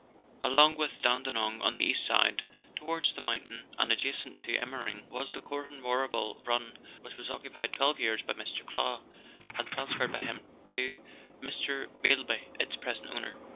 Along the Dandenong, on the east side, towards the moun tain, and adjacent to Eumemmering, was the Corhanwarrabul run, which was occupied twelve years by Mr. Clow, and trans ferred by him to Mr. Beilby, its present owner.